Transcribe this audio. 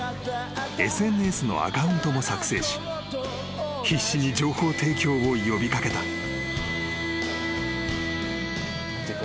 ［ＳＮＳのアカウントも作成し必死に情報提供を呼び掛けた］